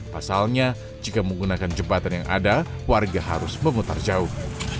pasalnya jika menggunakan jembatan yang ada warga harus memutar jauh